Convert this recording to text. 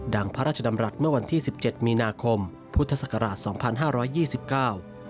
ดังพระราชดำรัฐเมื่อวันที่๑๗มีนาคมพุทธศักราช๒๕๒๙